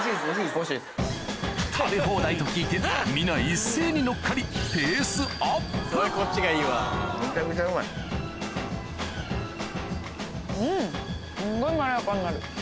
食べ放題と聞いて皆一斉に乗っかりうんすんごい。